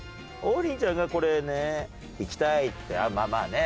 王林ちゃんがこれね行きたいってまあまあね